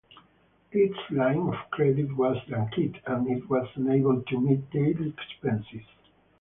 Its line of credit was yanked, and it was unable to meet daily expenses.